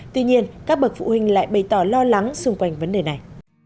tuy nhiên các bậc phụ huynh lại bày tỏ lo lắng xung quanh vấn đề này